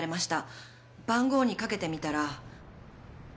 番号にかけてみたら。